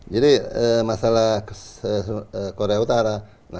jadi masalah korea utara